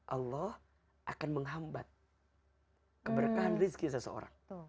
allah akan menghambat keberkahan rizki seseorang